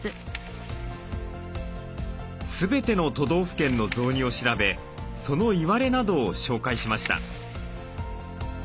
全ての都道府県の雑煮を調べそのいわれなどを紹介しました。